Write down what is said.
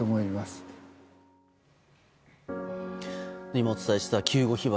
今、お伝えした救護被爆。